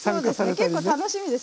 結構楽しみです。